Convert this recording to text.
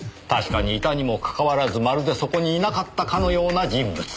確かにいたにもかかわらずまるでそこにいなかったかのような人物。